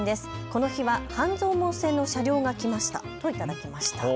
この日は半蔵門線の車両が来ましたと頂きました。